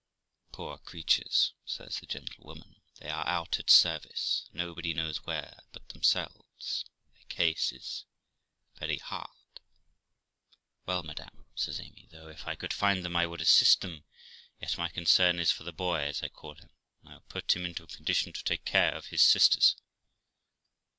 Poor creatures', says the gentlewoman; 'they are out at service, nobody knows where but themselves; their case is very hard.' 'Well, madam', says Amy, 'though, if I could find them I would assist them, yet my concern is for my boy, as I call him, and I will put him into a condition to take care of his sisters.'